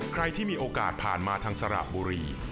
ใครที่มีโอกาสผ่านมาทางสระบุรี